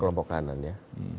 kelompok kanan ya